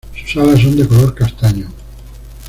Sus alas son de color castaño.